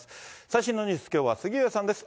最新のニュース、きょうは杉上さんです。